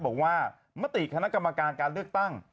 บอกว่ามติคณะกรรมการการเลือกตั้ง